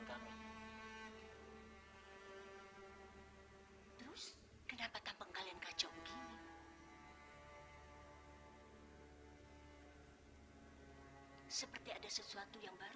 sampai jumpa di video selanjutnya